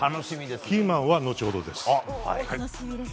キーマンは後ほどです。